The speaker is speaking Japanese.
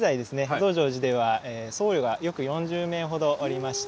増上寺では僧侶が約４０名ほどおりまして。